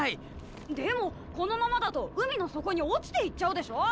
でもこのままだと海の底に落ちていっちゃうでしょ！